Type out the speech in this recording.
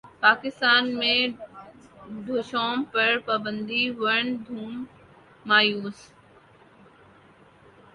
پاکستان میں ڈھشوم پر پابندی ورن دھون مایوس